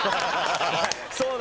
・そうだ。